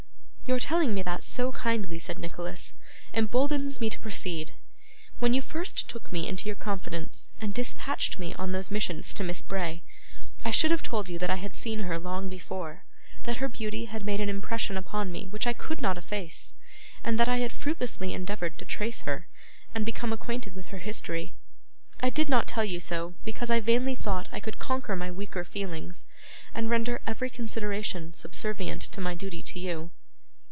'Your telling me that so kindly,' said Nicholas, 'emboldens me to proceed. When you first took me into your confidence, and dispatched me on those missions to Miss Bray, I should have told you that I had seen her long before; that her beauty had made an impression upon me which I could not efface; and that I had fruitlessly endeavoured to trace her, and become acquainted with her history. I did not tell you so, because I vainly thought I could conquer my weaker feelings, and render every consideration subservient to my duty to you.